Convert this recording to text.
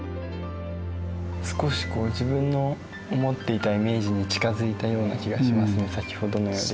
少しこう自分の思っていたイメージに近づいたような気がしますね先ほどのより。